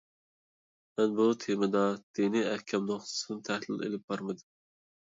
مەن بۇ تېمىدا دىنىي ئەھكام نۇقتىسىدىن تەھلىل ئېلىپ بارمىدىم.